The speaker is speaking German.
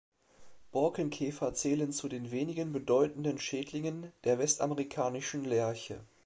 Borkenkäfer zählen zu den weniger bedeutenden Schädlingen der Westamerikanischen Lärche.